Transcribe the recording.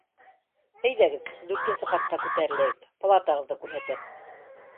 Әйҙәгеҙ, дүртенсе ҡатҡа күтәреләйек, палатағыҙҙы күрһәтәм.